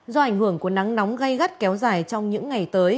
do ảnh hưởng của nắng nóng gây gắt kéo dài trong những ngày tới